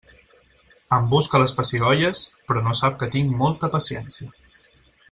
Em busca les pessigolles, però no sap que tinc molta paciència.